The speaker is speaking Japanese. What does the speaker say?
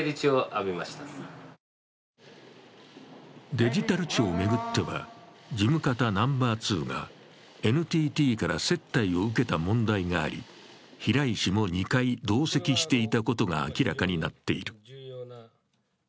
デジタル庁を巡っては、事務方ナンバー２がＮＴＴから接待を受けた問題があり、平井氏も２回、同席していたことが明らかになっている。